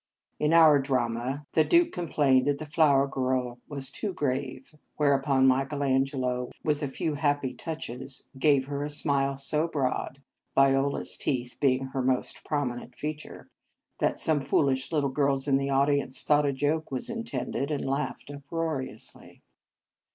In our drama, the Duke In Our Convent Days complained that the flower girl was too grave, whereupon Michael An gelo, with a few happy touches, gave her a smile so broad Viola s teeth being her most prominent feature that some foolish little girls in the audience thought a joke was in tended, and laughed uproariously.